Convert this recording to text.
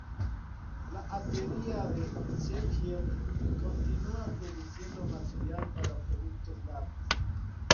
La acería en Sheffield continúa produciendo material para productos largos.